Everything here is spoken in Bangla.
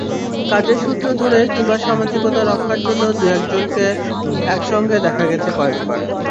কাজের সূত্র ধরে কিংবা সামাজিকতা রক্ষার জন্য দুজনকে একসঙ্গে দেখা গেছে কয়েকবার।